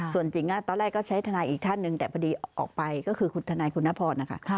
ส่วนจริงตอนแรกก็ใช้ทนายอีกท่านหนึ่งแต่พอดีออกไปก็คือคุณทนายคุณนพรนะคะ